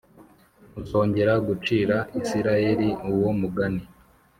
muzongera gucira Isirayeli uwo mugani